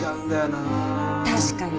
確かに。